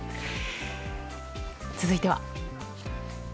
続いては。